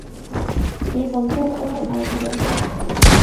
پېغلتوب عمر د خانۍ دی